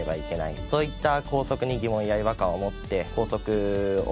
そういった校則に疑問や違和感を持って。